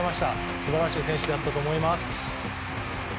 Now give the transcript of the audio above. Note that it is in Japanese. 素晴らしい選手だったと思います。